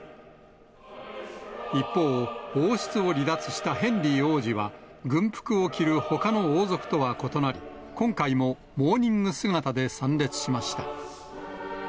一方、王室を離脱したヘンリー王子は、軍服を着るほかの王族とは異なり、今回もモーニング姿で参列しました。